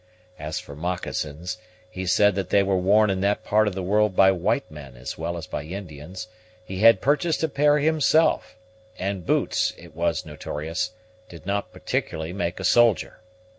As for moccasins, he said that they were worn in that part of the world by white men as well as by Indians; he had purchased a pair himself; and boots, it was notorious, did not particularly make a soldier.